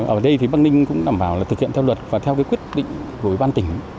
ở đây thì bắc ninh cũng đảm bảo là thực hiện theo luật và theo cái quyết định của ủy ban tỉnh